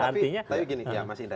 tapi gini mas indra